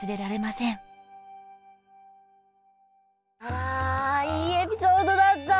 わいいエピソードだった。